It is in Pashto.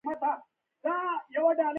د ینې ترشحات او د پانکراس انزایمونه تویېږي.